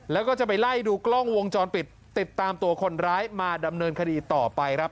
แล้วก็จะไปไล่ดูกล้องวงจรปิดติดตามตัวคนร้ายมาดำเนินคดีต่อไปครับ